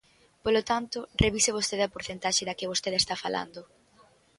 Polo tanto, revise vostede a porcentaxe da que vostede está falando.